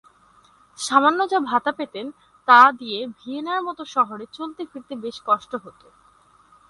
সামান্য যা ভাতা পেতেন তা দিয়ে ভিয়েনার মত শহরে চলতে-ফিরতে তার বেশ কষ্ট হতো।